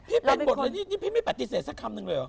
เป็นหมดเลยนี่พี่ไม่ปฏิเสธสักคำนึงเลยเหรอ